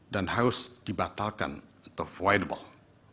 dan harus dibatalkan atau voidable